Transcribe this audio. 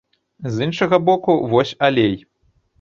З іншага боку, вось алей.